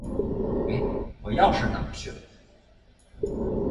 哎，我钥匙哪儿去了？